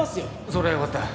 それはよかった。